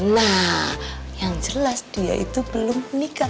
nah yang jelas dia itu berhasil ya kan